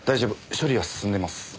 処理は進んでいます。